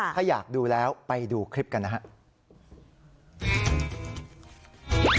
ถ้าอยากดูแล้วไปดูคลิปกันนะครับ